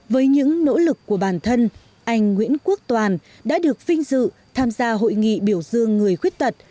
với những nỗ lực của bản thân anh nguyễn quốc toàn đã được vinh dự tham gia hội nghị biểu dương người khuyết tật